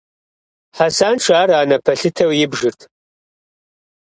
Хьэсанш ар анэ пэлъытэу ибжырт.